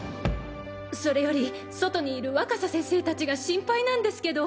それより外にいる若狭先生達が心配なんですけど。